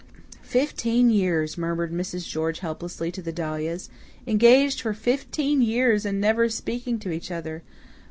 "Fifteen years!" murmured Mrs. George helplessly to the dahlias. "Engaged for fifteen years and never speaking to each other!